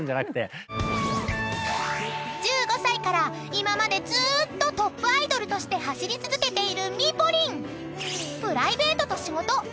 ［１５歳から今までずーっとトップアイドルとして走り続けているミポリン］